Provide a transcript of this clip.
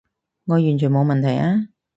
我完全冇問題啊